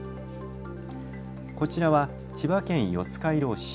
こちらは千葉県四街道市。